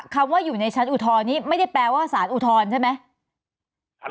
คำว่าอยู่ในชั้นอุทธรณ์นี้ไม่ได้แปลว่าสารอุทธรณ์ใช่ไหม